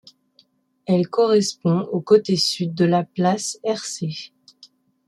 Elle correspond au côté sud de la Place de Hercé.